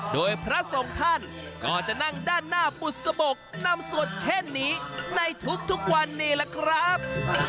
โดยพระสงฆ์ท่านก็จะนั่งด้านหน้าบุษบกนำสวดเช่นนี้ในทุกวันนี้ล่ะครับ